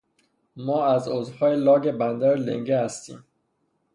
ما از عضوهای لاگ بندر لِنگِه هستیم.